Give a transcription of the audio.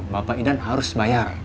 bapak idan harus bayar